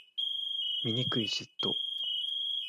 醜い嫉妬